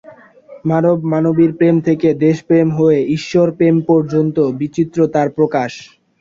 মানব-মানবীর প্রেম থেকে দেশপ্রেম হয়ে ঈশ্বর প্রেম পর্যন্ত বিচিত্র তার প্রকাশ।